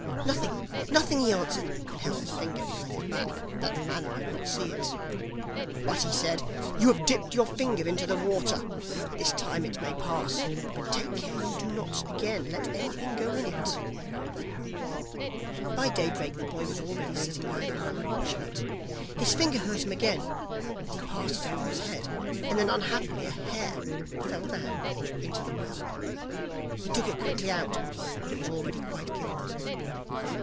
'Nothing nothing,' he answered, and held his finger behind his back, that the man might not see it. But he said: 'You have dipped your finger into the water, this time it may pass, but take care you do not again let anything go in.' By daybreak the boy was already sitting by the well and watching it. His finger hurt him again and he passed it over his head, and then unhappily a hair fell down into the well. He took it quickly out, but it was already quite gilded.